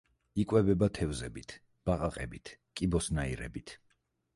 იკვებება თევზებით, ბაყაყებით, კიბოსნაირებით.